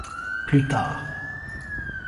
Plus tard.